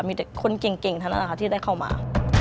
มีแต่คนเก่งเท่านั้นนะคะที่ได้เข้ามา